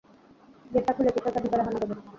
গেটটা খুললে কিছু একটা ভেতরে হানা দেবে।